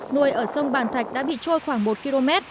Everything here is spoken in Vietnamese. nuôi ở sông bàn thạch đã bị trôi khoảng một km